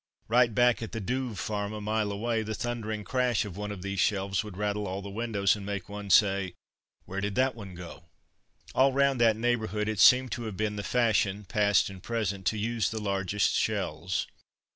Right back at the Douve farm a mile away, the thundering crash of one of these shells would rattle all the windows and make one say, "Where did that one go?" All round that neighbourhood it seemed to have been the fashion, past and present, to use the largest shells.